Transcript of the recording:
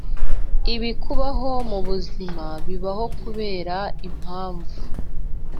Ibikubaho mu buzima bibaho kubera impamvu